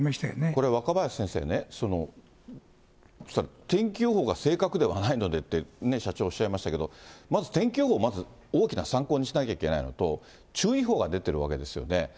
これ若林先生ね、天気予報が正確ではないのでって、社長おっしゃいましたけど、まず天気予報、大きな参考にしなきゃいけないのと、注意報が出てるわけですよね。